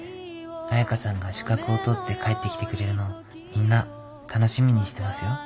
彩佳さんが資格を取って帰ってきてくれるのをみんな楽しみにしてますよ。